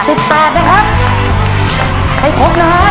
ยังไม่หมดเท่านั้นนะครับเรายังมีของขวานสุดพิเศษให้กับทุกครอบครัวของเรานะครับ